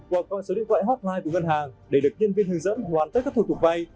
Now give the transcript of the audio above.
qua con số điện thoại hotline của ngân hàng để được nhân viên hướng dẫn hoàn tất các thủ tục vay